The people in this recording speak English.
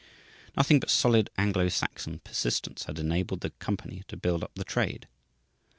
Nothing but solid Anglo Saxon persistence had enabled the company to build up the trade.